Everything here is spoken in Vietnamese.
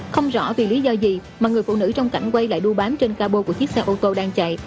không rõ vì lý do gì mà người phụ nữ trong cảnh quay lại đu bám trên cabo của chiếc xe ô tô đang chạy